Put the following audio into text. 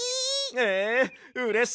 ええうれしいよ！